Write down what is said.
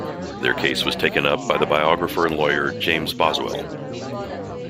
Their case was taken up by the biographer and lawyer, James Boswell.